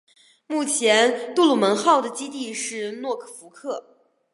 目前杜鲁门号的基地是诺福克。